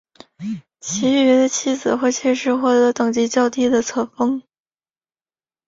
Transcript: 其余的妻子或妾室获得等级较低的册封。